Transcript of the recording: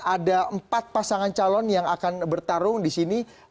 ada empat pasangan calon yang akan bertarung di sini